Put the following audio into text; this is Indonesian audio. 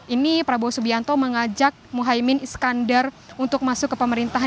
ini prabowo subianto mengajak muhaymin iskandar untuk masuk ke pemerintahan